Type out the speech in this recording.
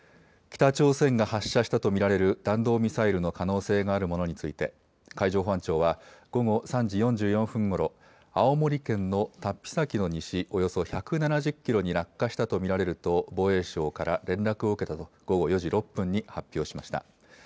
北朝鮮が発射したと見られる弾道ミサイルの可能性があるものについて、海上保安庁は、午後３時４４分ごろ、青森県の龍飛崎の西およそ１７０キロに落下したと見られると、防衛省から連絡を受けたと、午後４時６分に発表しました。